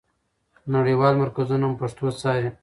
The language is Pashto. نړیوال مرکزونه هم پښتو څاري.